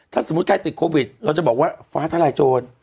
ถ้าสมมุติใครติดโควิดเราจะบอกว่าฟ้าทลายโจร